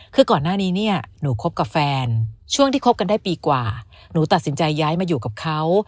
คือก่อนหน้านี้เนี่ยหนูคบกับแฟนช่วงที่คบกันได้ปีกว่าหนูตัดสินใจย้ายมาอยู่กับเขา